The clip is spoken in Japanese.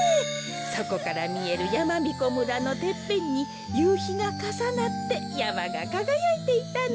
そこからみえるやまびこ村のてっぺんにゆうひがかさなってやまがかがやいていたの。